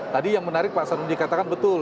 tadi yang menarik pak sarmunji katakan betul